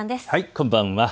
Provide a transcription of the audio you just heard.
こんばんは。